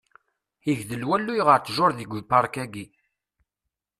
Igdel walluy ɣer ttjuṛ deg upark-ayi.